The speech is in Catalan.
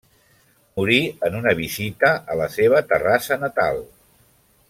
Morí en una visita a la seva Terrassa natal.